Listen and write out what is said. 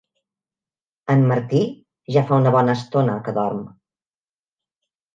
En Martí ja fa una bona estona que dorm.